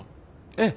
ええ。